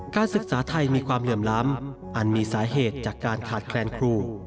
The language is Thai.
ศึกษาไทยมีความเหลื่อมล้ำอันมีสาเหตุจากการขาดแคลนครู